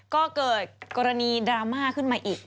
ก็เกิดกรณีดราม่าขึ้นมาอีก